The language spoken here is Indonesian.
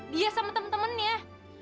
dia sama temen temennya